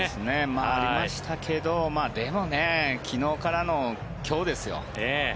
ありましたけどでもね、昨日からの今日ですよ。